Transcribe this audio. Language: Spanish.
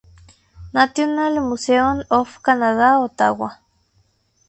National Museums of Canada, Ottawa.